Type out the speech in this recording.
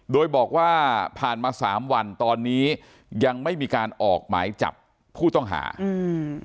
โดยบอกว่าผ่านมาสามวันตอนนี้ยังไม่มีการออกหมายจับผู้ต้องหาอืม